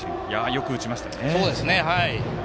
よく打ちました。